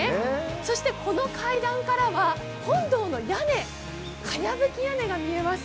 そして、この階段からは本堂の屋根かやぶき屋根が見えます。